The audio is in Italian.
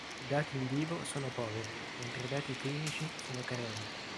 I dati in vivo sono poveri mentre i dati clinici sono carenti.